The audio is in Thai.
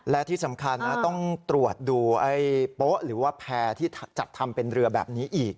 และที่สำคัญต้องตรวจดูโป๊ะหรือว่าแพร่ที่จัดทำเป็นเรือแบบนี้อีก